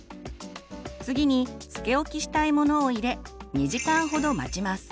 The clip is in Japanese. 次につけおきしたいものを入れ２時間ほど待ちます。